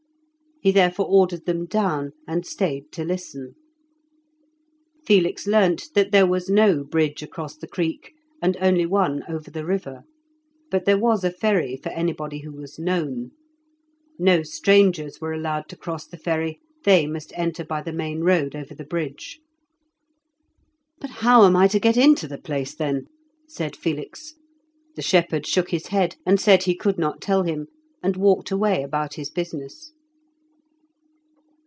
He therefore ordered them down, and stayed to listen. Felix learnt that there was no bridge across the creek, and only one over the river; but there was a ferry for anybody who was known. No strangers were allowed to cross the ferry; they must enter by the main road over the bridge. "But how am I to get into the place then?" said Felix. The shepherd shook his head, and said he could not tell him, and walked away about his business.